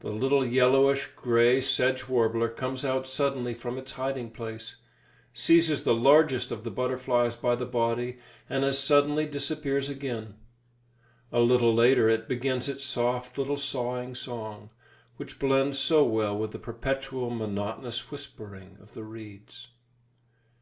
The little yellowish grey sedge warbler comes out suddenly from its hiding place, seizes the largest of the butterflies by the body, and as suddenly disappears again. A little later it begins its soft little sawing song, which blends so well with the perpetual, monotonous whispering of the reeds.